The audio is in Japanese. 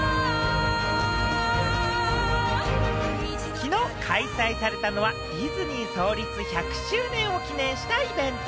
きのう開催されたのはディズニー創立１００周年を記念したイベント。